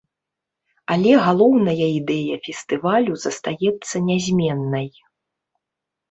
Але галоўная ідэя фестывалю застаецца нязменнай.